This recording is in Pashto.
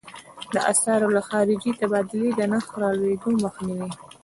د اسعارو د خارجې تبادلې د نرخ د رالوېدو مخنیوی.